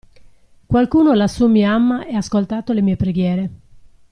Qualcuno lassù mi ama e ha ascoltato le mie preghiere.